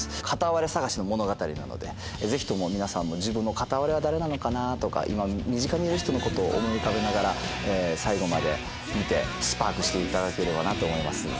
カタワレ探しの物語なのでぜひとも皆さんも自分のカタワレは誰なのかなとか今身近にいる人のことを思い浮かべながら最後まで見てスパークしていただければなと思います。